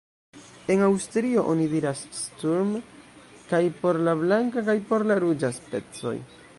En Aŭstrio oni diras Sturm kaj por la blanka kaj por la ruĝa specoj.